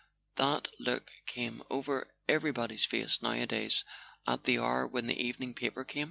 That look came over every¬ body's face nowadays at the hour when the evening paper came.